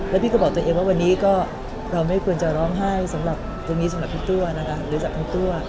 แล้วพี่ก็บอกตัวเองว่าวันนี้ก็เราไม่ควรจะร้องไห้สำหรับตรงนี้สำหรับพี่ตัวนะคะหรือจากพี่ตัว